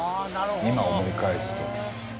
今思い返すと。